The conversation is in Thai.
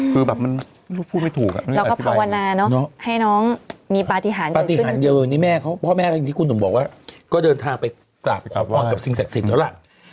พ่อแม่ที่คุณหนุ่มบอกว่าก็เดินทางไปกลับออนกับสิ่งแสดงสิ่งแล้วล่ะ